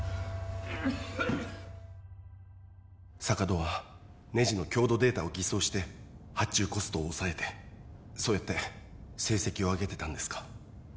坂戸はネジの強度データを偽装して発注コストを抑えてそうやって成績を上げてたんですか？